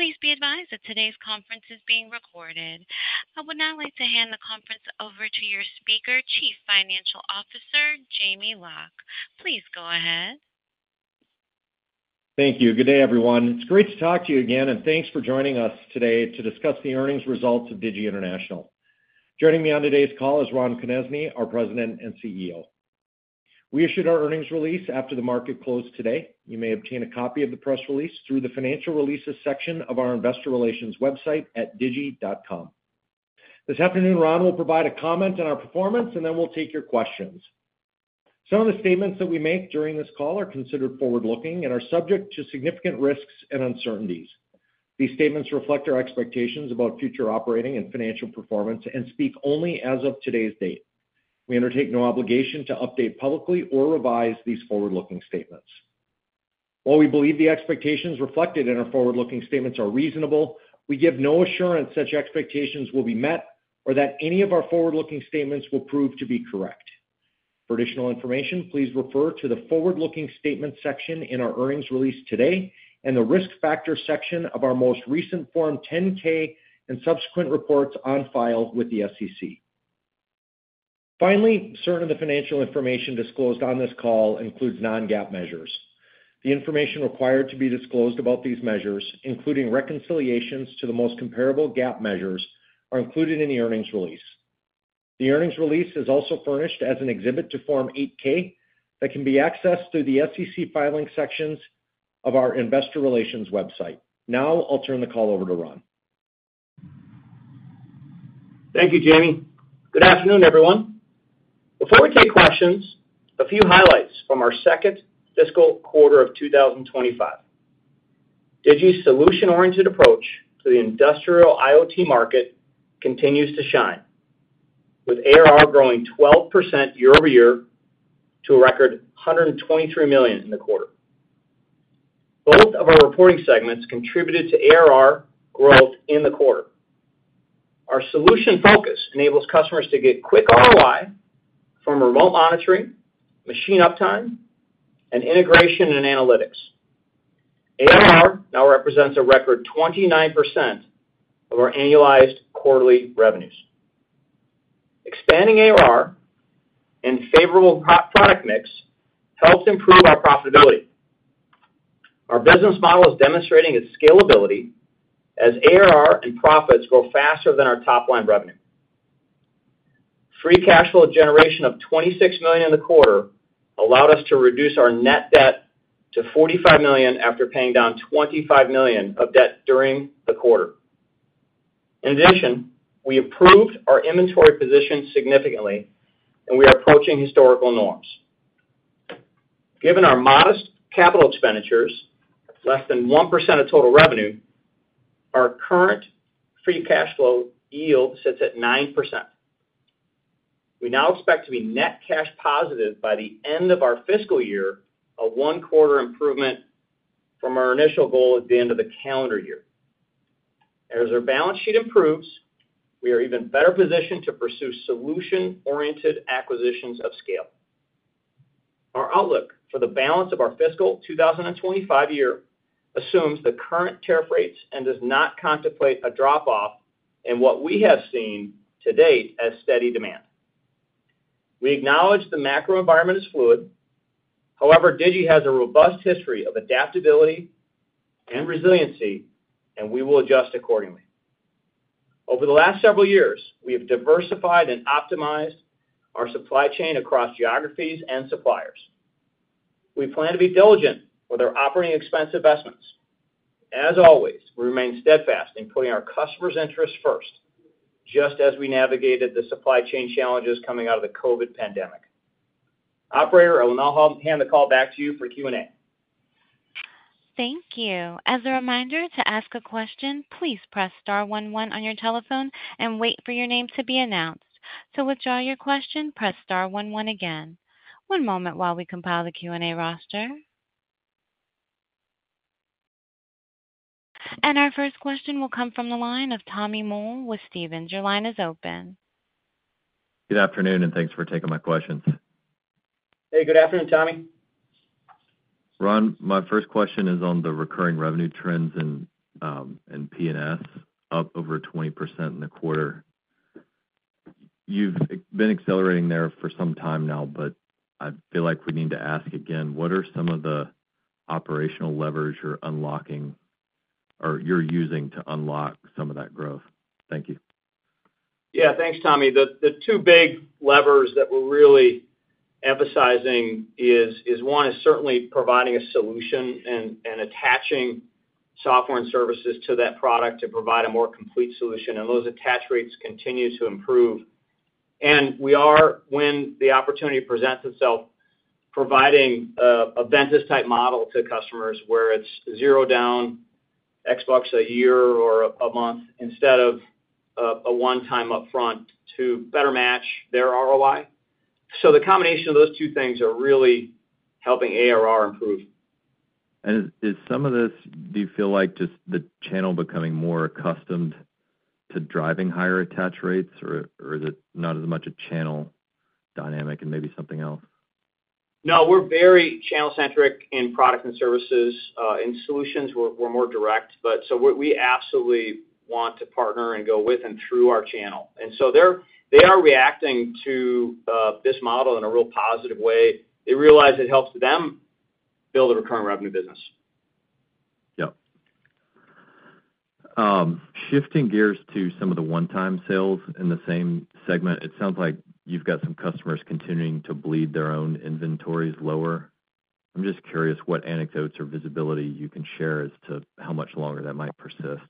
Please be advised that today's conference is being recorded. I would now like to hand the conference over to your speaker, Chief Financial Officer, Jamie Loch. Please go ahead. Thank you. Good day, everyone. It's great to talk to you again, and thanks for joining us today to discuss the Earnings Results of Digi International. Joining me on today's call is Ron Konezny, our President and CEO. We issued our earnings release after the market closed today. You may obtain a copy of the press release through the Financial Releases section of our Investor Relations website at digi.com. This afternoon, Ron will provide a comment on our performance, and then we'll take your questions. Some of the statements that we make during this call are considered forward-looking and are subject to significant risks and uncertainties. These statements reflect our expectations about future operating and financial performance and speak only as of today's date. We undertake no obligation to update publicly or revise these forward-looking statements. While we believe the expectations reflected in our forward-looking statements are reasonable, we give no assurance such expectations will be met or that any of our forward-looking statements will prove to be correct. For additional information, please refer to the Forward-Looking Statements section in our earnings release today and the Risk Factors section of our most recent Form 10-K and subsequent reports on file with the SEC. Finally, certain of the financial information disclosed on this call includes non-GAAP measures. The information required to be disclosed about these measures, including reconciliations to the most comparable GAAP measures, are included in the earnings release. The earnings release is also furnished as an exhibit to Form 8-K that can be accessed through the SEC filing sections of our Investor Relations website. Now I'll turn the call over to Ron. Thank you, Jamie. Good afternoon, everyone. Before we take questions, a few highlights from our second fiscal quarter of 2025. Digi's solution-oriented approach to the industrial IoT market continues to shine, with ARR growing 12% year over year to a record $123 million in the quarter. Both of our reporting segments contributed to ARR growth in the quarter. Our solution focus enables customers to get quick ROI from remote monitoring, machine uptime, and integration and analytics. ARR now represents a record 29% of our annualized quarterly revenues. Expanding ARR and favorable product mix helps improve our profitability. Our business model is demonstrating its scalability as ARR and profits grow faster than our top-line revenue. Free cash flow generation of $26 million in the quarter allowed us to reduce our net debt to $45 million after paying down $25 million of debt during the quarter. In addition, we improved our inventory position significantly, and we are approaching historical norms. Given our modest capital expenditures, less than 1% of total revenue, our current Free cash flow yield sits at 9%. We now expect to be net cash positive by the end of our fiscal year, a one-quarter improvement from our initial goal at the end of the calendar year. As our balance sheet improves, we are even better positioned to pursue solution-oriented acquisitions of scale. Our outlook for the balance of our fiscal 2025 year assumes the current tariff rates and does not contemplate a drop-off in what we have seen to date as steady demand. We acknowledge the macro environment is fluid. However, Digi has a robust history of adaptability and resiliency, and we will adjust accordingly. Over the last several years, we have diversified and optimized our supply chain across geographies and suppliers. We plan to be diligent with our operating expense investments. As always, we remain steadfast in putting our customers' interests first, just as we navigated the supply chain challenges coming out of the COVID pandemic. Operator, I will now hand the call back to you for Q&A. Thank you. As a reminder, to ask a question, please press star 11 on your telephone and wait for your name to be announced. To withdraw your question, press star 11 again. One moment while we compile the Q&A roster. Our first question will come from the line of Tommy Moll with Stephens. Your line is open. Good afternoon, and thanks for taking my questions. Hey, good afternoon, Tommy. Ron, my first question is on the recurring revenue trends in P&S, up over 20% in the quarter. You've been accelerating there for some time now, but I feel like we need to ask again, what are some of the operational levers you're unlocking or you're using to unlock some of that growth? Thank you. Yeah, thanks, Tommy. The two big levers that we're really emphasizing is one is certainly providing a solution and attaching software and services to that product to provide a more complete solution. Those attach rates continue to improve. We are, when the opportunity presents itself, providing a Ventus-type model to customers where it's zero down X bucks a year or a month instead of a one-time upfront to better match their ROI. The combination of those two things are really helping ARR improve. Is some of this, do you feel like just the channel becoming more accustomed to driving higher attach rates, or is it not as much a channel dynamic and maybe something else? No, we're very channel-centric in products and services. In solutions, we're more direct. We absolutely want to partner and go with and through our channel. They are reacting to this model in a real positive way. They realize it helps them build a recurring revenue business. Yep. Shifting gears to some of the one-time sales in the same segment, it sounds like you've got some customers continuing to bleed their own inventories lower. I'm just curious what anecdotes or visibility you can share as to how much longer that might persist.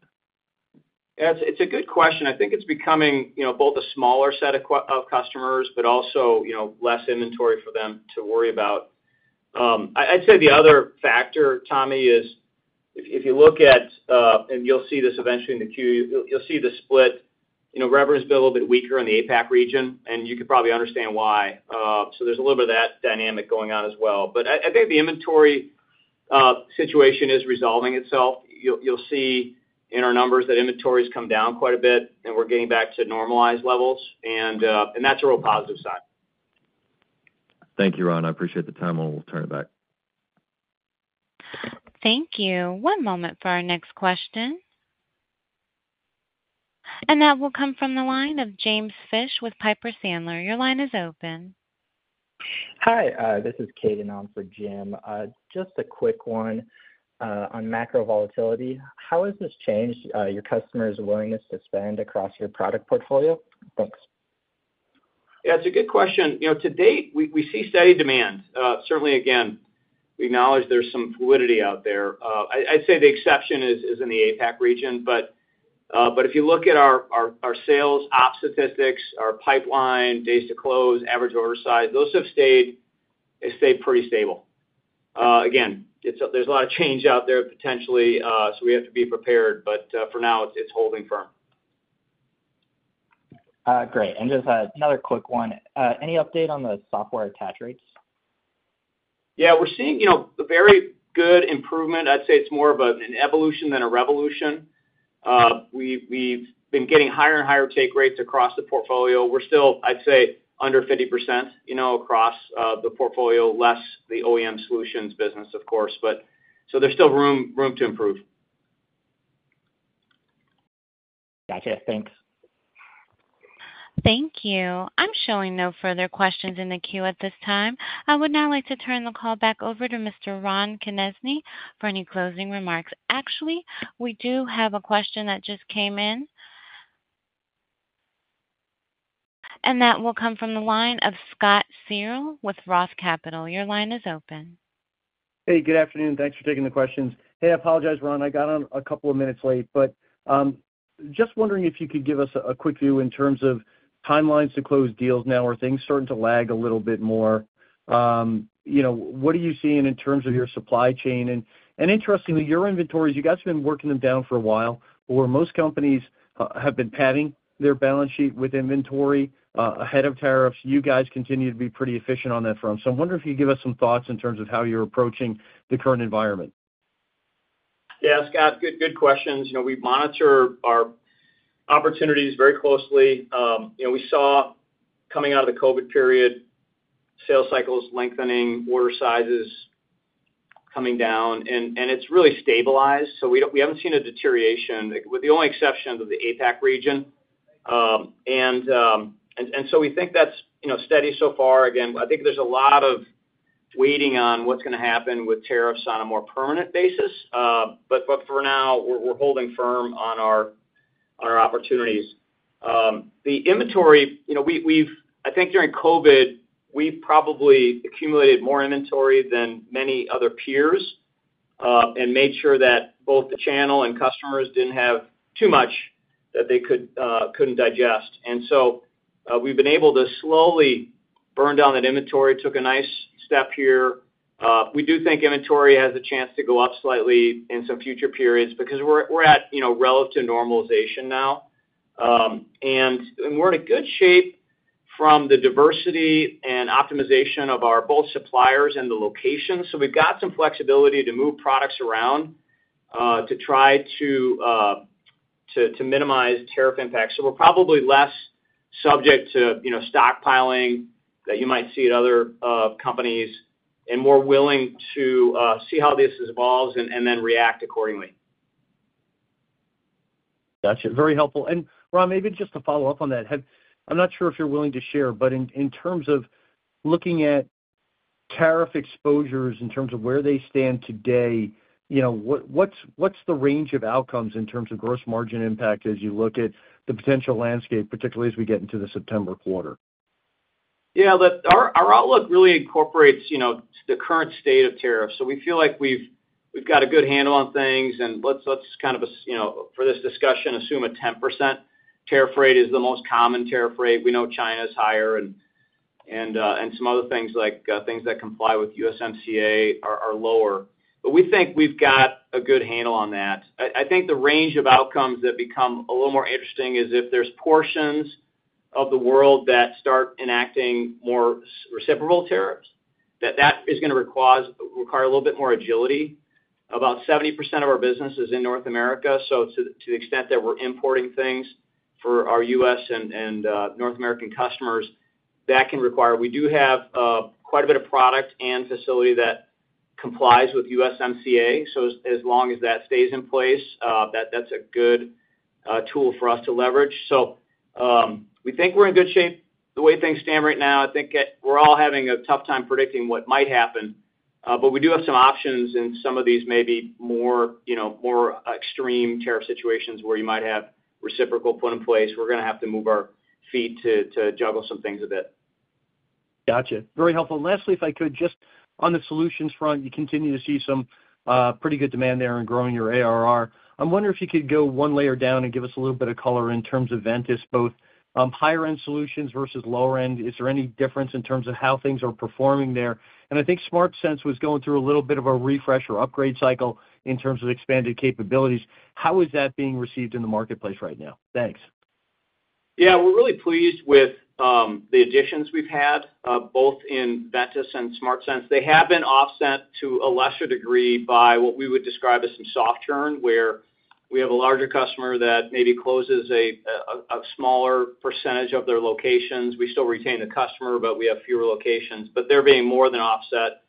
It's a good question. I think it's becoming both a smaller set of customers, but also less inventory for them to worry about. I'd say the other factor, Tommy, is if you look at, and you'll see this eventually in the queue, you'll see the split. Revenue has been a little bit weaker in the APAC region, and you could probably understand why. There is a little bit of that dynamic going on as well. I think the inventory situation is resolving itself. You'll see in our numbers that inventories come down quite a bit, and we're getting back to normalized levels. That's a real positive sign. Thank you, Ron. I appreciate the time. I will turn it back. Thank you. One moment for our next question. That will come from the line of James Fish with Piper Sandler. Your line is open. Hi, this is Katie Knoll for Jim. Just a quick one on macro volatility. How has this changed your customers' willingness to spend across your product portfolio? Thanks. Yeah, it's a good question. To date, we see steady demand. Certainly, again, we acknowledge there's some fluidity out there. I'd say the exception is in the APAC region. If you look at our sales ops statistics, our pipeline, days to close, average order size, those have stayed pretty stable. Again, there's a lot of change out there potentially, so we have to be prepared. For now, it's holding firm. Great. Just another quick one. Any update on the software attach rates? Yeah, we're seeing a very good improvement. I'd say it's more of an evolution than a revolution. We've been getting higher and higher take rates across the portfolio. We're still, I'd say, under 50% across the portfolio, less the OEM solutions business, of course. So there's still room to improve. Gotcha. Thanks. Thank you. I'm showing no further questions in the queue at this time. I would now like to turn the call back over to Mr. Ron Konezny for any closing remarks. Actually, we do have a question that just came in, and that will come from the line of Scott Searle with Roth Capital. Your line is open. Hey, good afternoon. Thanks for taking the questions. Hey, I apologize, Ron. I got on a couple of minutes late, but just wondering if you could give us a quick view in terms of timelines to close deals now where things starting to lag a little bit more. What are you seeing in terms of your supply chain? And interestingly, your inventories, you guys have been working them down for a while, where most companies have been padding their balance sheet with inventory ahead of tariffs. You guys continue to be pretty efficient on that front. So I'm wondering if you could give us some thoughts in terms of how you're approaching the current environment. Yeah, Scott, good questions. We monitor our opportunities very closely. We saw coming out of the COVID period, sales cycles lengthening, order sizes coming down, and it has really stabilized. We have not seen a deterioration, with the only exception of the APAC region. We think that is steady so far. I think there is a lot of waiting on what is going to happen with tariffs on a more permanent basis. For now, we are holding firm on our opportunities. The inventory, I think during COVID, we probably accumulated more inventory than many other peers and made sure that both the channel and customers did not have too much that they could not digest. We have been able to slowly burn down that inventory. Took a nice step here. We do think inventory has a chance to go up slightly in some future periods because we are at relative normalization now. We're in good shape from the diversity and optimization of both our suppliers and the location. We've got some flexibility to move products around to try to minimize tariff impacts. We're probably less subject to stockpiling that you might see at other companies and more willing to see how this evolves and then react accordingly. Gotcha. Very helpful. Ron, maybe just to follow up on that, I'm not sure if you're willing to share, but in terms of looking at tariff exposures in terms of where they stand today, what's the range of outcomes in terms of gross margin impact as you look at the potential landscape, particularly as we get into the September quarter? Yeah, our outlook really incorporates the current state of tariffs. We feel like we've got a good handle on things. Let's kind of, for this discussion, assume a 10% tariff rate is the most common tariff rate. We know China's higher and some other things like things that comply with USMCA are lower. We think we've got a good handle on that. I think the range of outcomes that become a little more interesting is if there's portions of the world that start enacting more reciprocal tariffs, that is going to require a little bit more agility. About 70% of our business is in North America. To the extent that we're importing things for our U.S. and North American customers, that can require we do have quite a bit of product and facility that complies with USMCA. As long as that stays in place, that's a good tool for us to leverage. We think we're in good shape the way things stand right now. I think we're all having a tough time predicting what might happen. We do have some options in some of these maybe more extreme tariff situations where you might have reciprocal put in place. We're going to have to move our feet to juggle some things a bit. Gotcha. Very helpful. Lastly, if I could, just on the solutions front, you continue to see some pretty good demand there and growing your ARR. I'm wondering if you could go one layer down and give us a little bit of color in terms of Ventus, both higher-end solutions versus lower-end. Is there any difference in terms of how things are performing there? I think SmartSense was going through a little bit of a refresh or upgrade cycle in terms of expanded capabilities. How is that being received in the marketplace right now? Thanks. Yeah, we're really pleased with the additions we've had, both in Ventus and SmartSense. They have been offset to a lesser degree by what we would describe as some soft churn, where we have a larger customer that maybe closes a smaller percentage of their locations. We still retain the customer, but we have fewer locations. They're being more than offset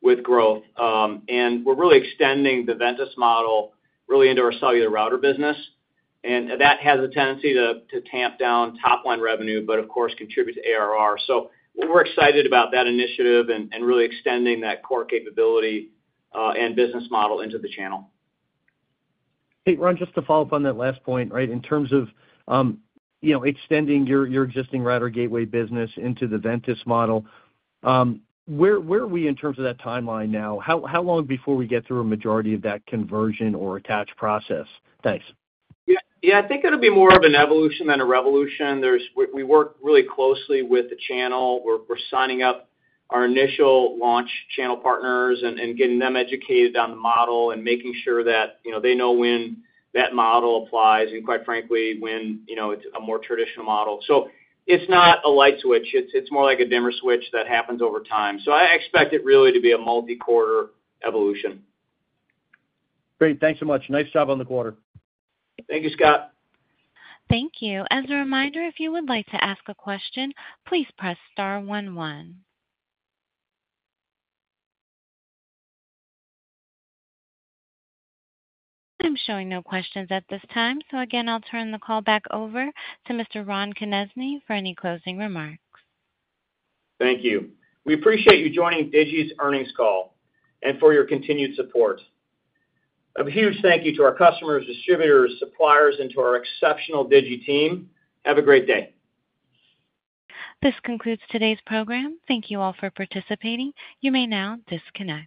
with growth. We're really extending the Ventus model into our cellular router business. That has a tendency to tamp down top-line revenue, but of course, contribute to ARR. We're excited about that initiative and really extending that core capability and business model into the channel. Hey, Ron, just to follow up on that last point, right, in terms of extending your existing router gateway business into the Ventus model, where are we in terms of that timeline now? How long before we get through a majority of that conversion or attach process? Thanks. Yeah, I think it'll be more of an evolution than a revolution. We work really closely with the channel. We're signing up our initial launch channel partners and getting them educated on the model and making sure that they know when that model applies and, quite frankly, when it's a more traditional model. It's not a light switch. It's more like a dimmer switch that happens over time. I expect it really to be a multi-quarter evolution. Great. Thanks so much. Nice job on the quarter. Thank you, Scott. Thank you. As a reminder, if you would like to ask a question, please press star 11. I'm showing no questions at this time. Again, I'll turn the call back over to Mr. Ron Konezny for any closing remarks. Thank you. We appreciate you joining Digi's Earnings call and for your continued support. A huge thank you to our customers, distributors, suppliers, and to our exceptional Digi team. Have a great day. This concludes today's program. Thank you all for participating. You may now disconnect.